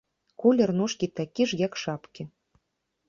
Колер ножкі такі ж, як шапкі.